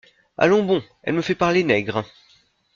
Allons bon, elle me fait parler nègre.